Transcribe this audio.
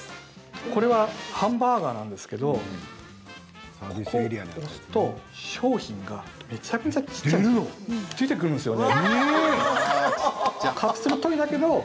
これはハンバーガーなんですけどここ押すと商品がめちゃくちゃ小っちゃいんですけど出てくるんですよね。